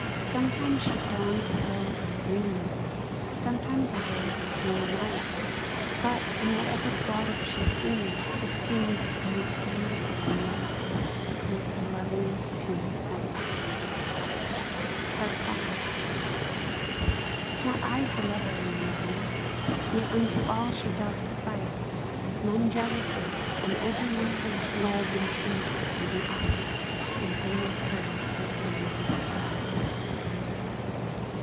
Sometimes she dons a robe of green, Sometimes a robe of snowy white, But, in whatever garb she's seen, It seems most beautiful and right, And is the loveliest to my sight. V. Not I her lover am alone, Yet unto all she doth suffice, None jealous is, and every one Reads love and truth within her eyes, And deemeth her his own dear prize.